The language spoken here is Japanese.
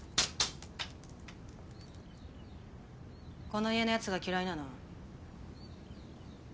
この家のやつが嫌いなの？